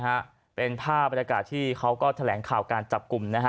ฮะเป็นภาพบรรยากาศที่เขาก็แถลงข่าวการจับกลุ่มนะฮะ